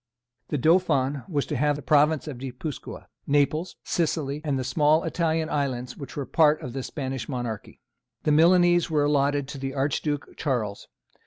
The Dauphin was to have the Province of Guipuscoa, Naples, Sicily and some small Italian islands which were part of the Spanish monarchy. The Milanese was allotted to the Archduke Charles.